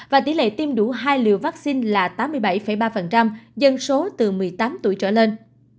và tỷ lệ tiêm đủ hai liều vaccine là tám mươi bảy ba dân số từ một mươi tám tuổi trở lên